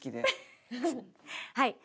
はい。